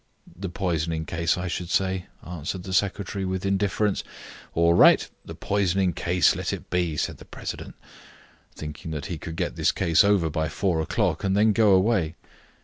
"The poisoning case, I should say," answered the secretary, with indifference. "All right; the poisoning case let it be," said the president, thinking that he could get this case over by four o'clock, and then go away.